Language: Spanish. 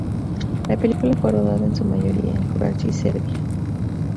La película fue rodada en su mayoría en Croacia y Serbia.